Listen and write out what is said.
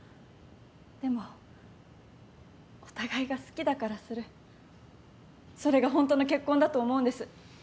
でもお互いが好きだからするそれがホントの結婚だと思うんです。